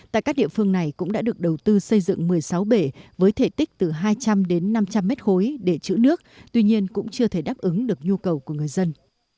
tại các địa phương này cũng đã được đầu tư xây dựng một mươi sáu bể với thể tích từ hai trăm linh đến năm trăm linh mét khối để chữ nước tuy nhiên cũng chưa thể đáp ứng được nhu cầu của người dân